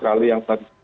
kali yang tadi